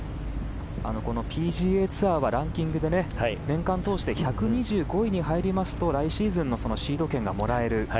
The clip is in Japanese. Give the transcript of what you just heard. このＰＧＡツアーはランキングは年間を通して１２５位に入りますと来シーズンのシード権がもらえる。